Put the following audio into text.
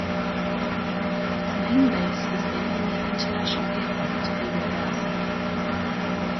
Its main base is Benina International Airport in Benghazi.